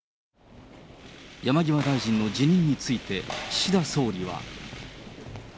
山際大臣の辞任について岸田総理は。